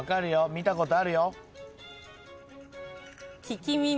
見たことあるよ。